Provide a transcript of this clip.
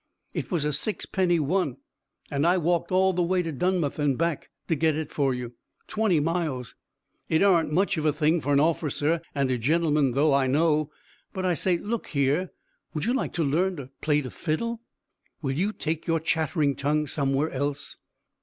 "It was a sixpenny one, and I walked all the way to Dunmouth and back to get it for you twenty miles. It aren't much of a thing for an orficer and a gentleman, though, I know. But, I say, look here, would you like to learn to play the fiddle?" "Will you take your chattering tongue somewhere else?"